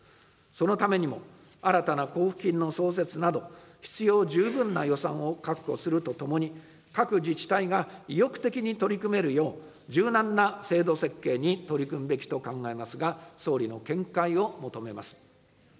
そのためにも、新たな交付金の創設など、必要十分な予算を確保するとともに、各自治体が意欲的に取り組めるよう、柔軟な制度設計に取り組むべきと考えますが、総理の見解を求めます。